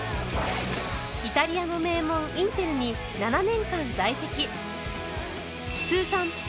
イタリアの名門インテルに７年間在籍